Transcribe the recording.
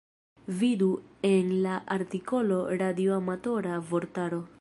Vidu en la artikolo radioamatora vortaro.